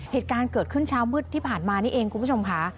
เหตุการณ์เกิดขึ้นเช้ามืดที่ผ่านมานี่เองคุณผู้ชมค่ะ